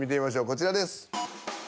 こちらです。